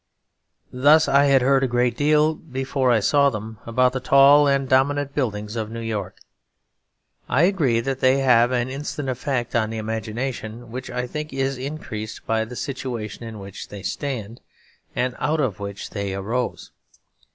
Thus I had heard a great deal, before I saw them, about the tall and dominant buildings of New York. I agree that they have an instant effect on the imagination; which I think is increased by the situation in which they stand, and out of which they arose.